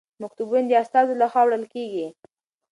مکتوبونه د استازو لخوا وړل کیږي.